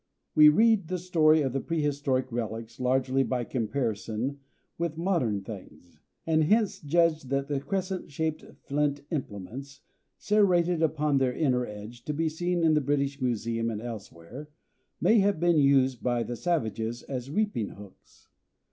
We read the story of pre historic relics largely by comparison with modern things, and hence judge that the crescent shaped flint implements, serrated upon their inner edge, to be seen in the British Museum and elsewhere, may have been used by the savages as reaping hooks.